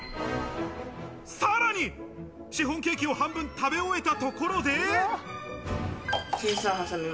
さらに、シフォンケーキを半分食べ終えたところで。